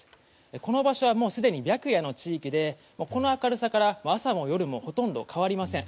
この場所はもうすでに白夜の地域でこの明るさから朝も夜もほとんど変わりません。